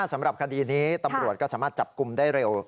สำหรับคดีนี้ตำรวจก็สามารถจับกลุ่มได้เร็ว